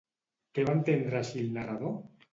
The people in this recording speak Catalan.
Què va entendre així el narrador?